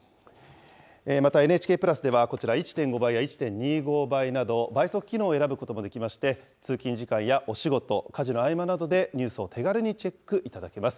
また、ＮＨＫプラスでは、こちら１．５倍や１．２５倍など倍速機能を選ぶこともできまして、通勤時間やお仕事、家事の合間などでニュースを手軽にチェックいただけます。